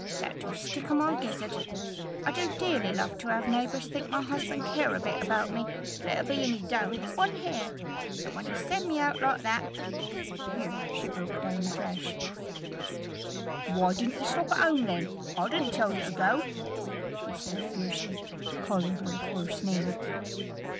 that do stick i' my gizzard. I do dearly love to have neighbors think my husband care a bit about me, let a be 'at he don't, one hair; and when he send me out like that" Here she broke down afresh. "Why didn't ye stop at home then? I didn't tell ye to go," he said fiercely, calling her a coarse name.